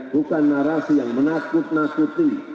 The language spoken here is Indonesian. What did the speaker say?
bukan narasi yang menakut nakuti